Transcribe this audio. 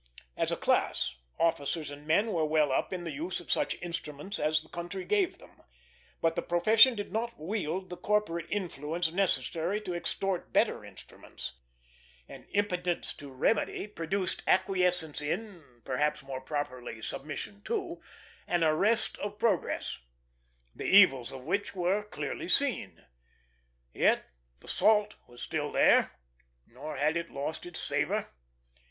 As a class, officers and men were well up in the use of such instruments as the country gave them; but the profession did not wield the corporate influence necessary to extort better instruments, and impotence to remedy produced acquiescence in, perhaps, more properly, submission to, an arrest of progress, the evils of which were clearly seen. Yet the salt was still there, nor had it lost its savor.